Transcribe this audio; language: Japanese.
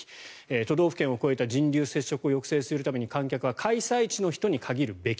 都道府県を超えた人流・接触を抑制するために観客は開催地の人に限るべき。